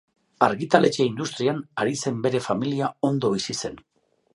Argitaletxe industrian ari zen bere familia ondo bizi zen.